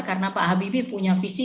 karena pak habibi punya visi